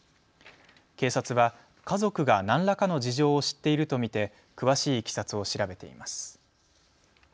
警察は家族が何らかの事情を知っていると見て詳しいいきさつを調べています。